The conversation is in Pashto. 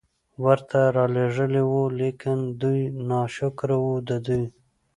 ورته را ليږلي وو، ليکن دوی ناشکره وو، د دوی